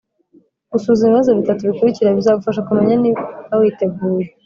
Gusuzuma ibibazo bitatu bikurikira bizagufasha kumenya niba witeguye